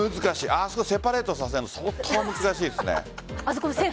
あそこをセパレートさせるのは相当難しいです。